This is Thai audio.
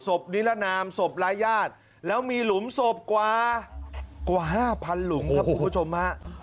นิรนามศพรายญาติแล้วมีหลุมศพกว่า๕๐๐หลุมครับคุณผู้ชมฮะ